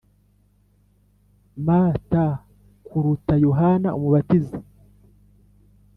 Mt kuruta Yohana Umubatiza